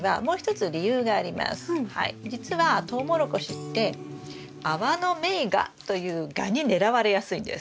じつはトウモロコシってアワノメイガというガに狙われやすいんです。